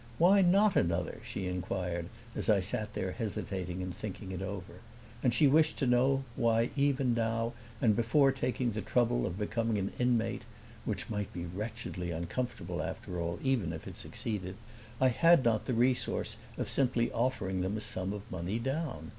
"Why not another?" she inquired as I sat there hesitating and thinking it over; and she wished to know why even now and before taking the trouble of becoming an inmate (which might be wretchedly uncomfortable after all, even if it succeeded), I had not the resource of simply offering them a sum of money down.